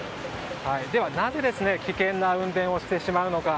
では、なぜ危険な運転をしてしまうのか。